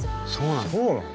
そうなの？